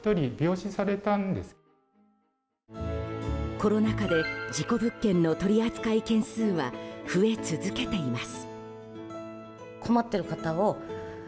コロナ禍で事故物件の取扱件数は増え続けています。